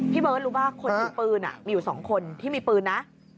พี่เบิ้ลรู้ว่าคนทดปืนอะมีอยู่สองคนที่มีปืนนะ